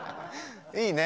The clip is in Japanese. いいね。